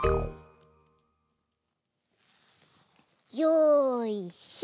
よいしょ！